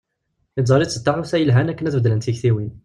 Yeẓẓar-itt d taɣawsa yelhan akken ad beddlent tiktiwin.